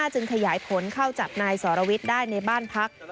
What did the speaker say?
จึงขยายผลเขาจากนายสรวิสได้ในบ้านภักดิ์